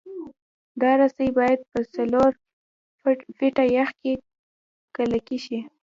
دا رسۍ باید په څلور فټه یخ کې کلکې شي